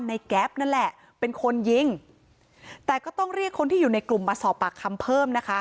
แก๊ปนั่นแหละเป็นคนยิงแต่ก็ต้องเรียกคนที่อยู่ในกลุ่มมาสอบปากคำเพิ่มนะคะ